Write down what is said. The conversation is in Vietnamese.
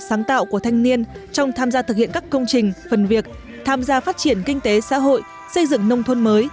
sáng tạo của thanh niên trong tham gia thực hiện các công trình phần việc tham gia phát triển kinh tế xã hội xây dựng nông thôn mới